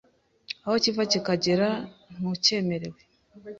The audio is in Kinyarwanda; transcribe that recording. aho kiva kikagera ntukemerewe,